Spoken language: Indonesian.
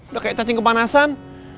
udah kayak cacing kepanasan